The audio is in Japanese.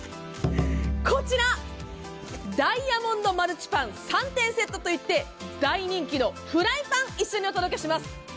こちらダイヤモンドマルチパン３点セットといって大人気のフライパン一緒にお届けします。